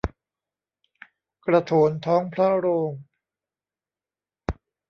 กระโถนท้องพระโรง